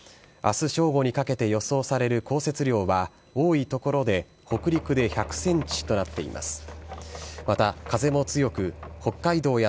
あす正午にかけて予想される降雪量は、多い所で北陸で１００センチとなっています。